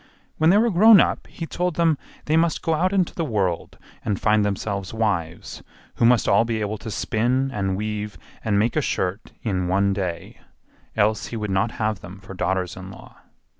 When they were grown up he told them they must go out into the world and find themselves wives, who must all be able to spin and weave and make a shirt in one day, else he would not have them for daughters in law.